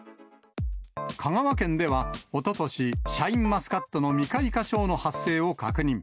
香川県ではおととし、シャインマスカットの未開花症の発生を確認。